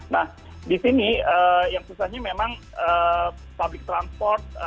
nah disini yang susahnya memang public transport